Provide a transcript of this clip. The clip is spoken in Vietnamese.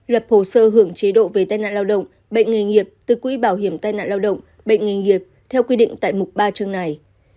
lập hồ sơ hưởng chế độ về tai nạn lao động bệnh nghề nghiệp từ quỹ bảo hiểm tai nạn lao động bệnh nghề nghiệp theo quy định tại mục ba chương này